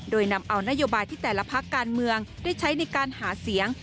โดยนำเอานโยบายที่แต่ละพักการเมืองได้ใช้ในการหาเสียง